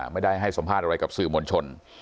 ไม่ได้ให้สัมภาษณ์อะไรกับสื่อมวลชน